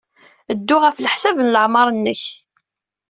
Ddu ɣef leḥsab n leɛmeṛ-nnek.